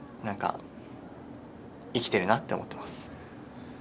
生きてるなって思ってます。